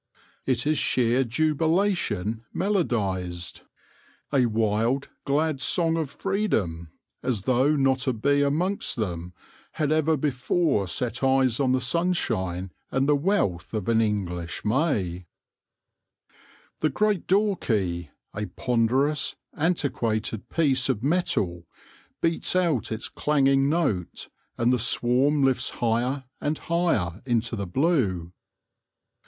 It is sheer jubilation melodised : a wild, THE MYSTERY OF THE SWARM 127 glad long of freedom, as though not a bee amongst them md ever before set eyes on the sunshine and the wealth of an English May. The gieat door key, a ponderous, antiquated piece of metal, beats out its clanging note, and the swarm lifts higher and higher into the blue.